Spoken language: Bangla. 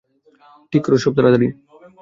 ঠিক করো সব তাড়াতাড়ি।